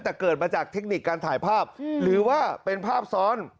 แต่เกิดมาจากเทคนิคการถ่ายภาพหรือว่าเป็นภาพซ้อน